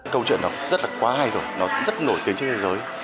câu chuyện đó rất là quá hay rồi nó rất nổi tiếng trên thế giới